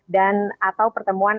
dan atau pertemuan